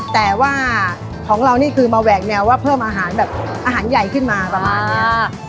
แต่ว่าของเรานี่คือมาแหวกแนวว่าเพิ่มอาหารแบบอาหารใหญ่ขึ้นมาประมาณ